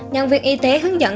nhân viên y tế hướng dẫn